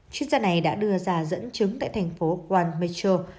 chuyên gia này đã đưa ra dẫn chứng tại thành phố guan metro